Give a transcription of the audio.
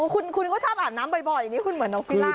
คุณก็ชอบอาบน้ำบ่อยนี่คุณเหมือนนกพิล่า